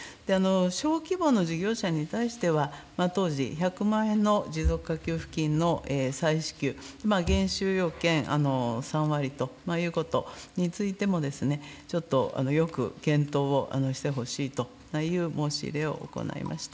小規模の事業者に対しては、当時、１００万円の持続化給付金の再支給、減収要件３割ということについても、ちょっとよく検討をしてほしいという申し入れを行いました。